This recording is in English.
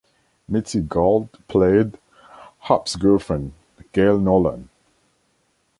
Mitzi Gould played Hop's girlfriend, Gail Nolan.